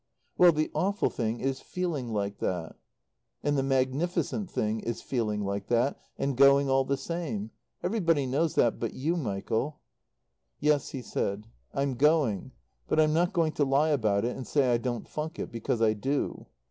"Well the awful thing is 'feeling like that.'" "And the magnificent thing is 'feeling like that,' and going all the same. Everybody knows that but you, Michael." "Yes," he said. "I'm going. But I'm not going to lie about it and say I don't funk it. Because I do."